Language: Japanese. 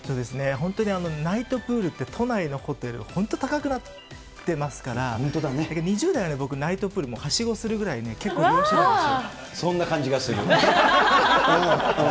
本当にナイトプールって都内のホテル、本当高くなってますから、２０代、僕、ナイトプールはしごするぐらい、結構利用してたそんな感じがする。